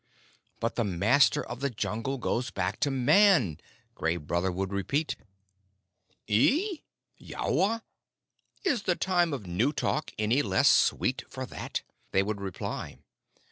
"But the Master of the Jungle goes back to Man," Gray Brother would repeat. "Eee Yoawa? Is the Time of New Talk any less sweet for that?" they would reply.